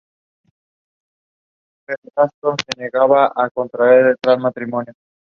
Cocina, Viajes, esquí y paseos